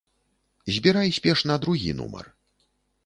Збірай спешна другі нумар.